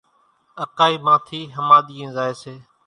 اڪائِي مان ٿي ۿماۮيئين زائي سي